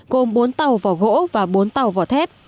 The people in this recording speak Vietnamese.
gồm bốn tàu vỏ gỗ và bốn tàu vỏ thép